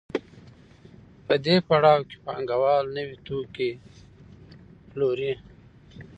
په دې پړاو کې پانګوال نوي توکي پلوري